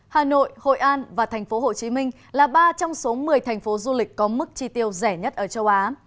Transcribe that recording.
hà nội hội an và thành phố hồ chí minh là ba trong số một mươi thành phố du lịch có mức chi tiêu rẻ nhất ở châu á